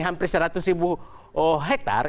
hampir seratus ribu hektar